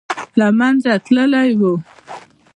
له منځه تللی وو.